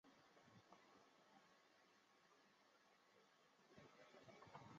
此前天主教会与反教权的革命制度党达成协议。